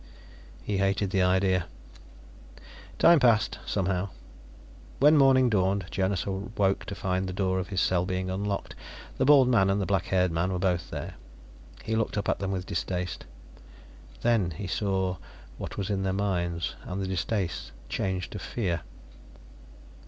He hated the idea. Time passed, somehow. When morning dawned, Jonas awoke to find the door of his cell being unlocked. The bald man and the black haired man were both there. He looked up at them with distaste. Then he saw what was in their minds, and the distaste changed to fear.